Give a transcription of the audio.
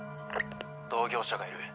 同業者がいる。